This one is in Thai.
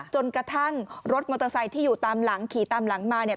จนกระทั่งรถมอเตอร์ไซค์ที่อยู่ตามหลังขี่ตามหลังมาเนี่ย